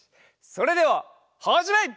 それでははじめい！